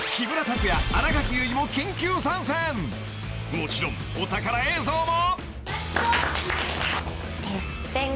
［もちろんお宝映像も］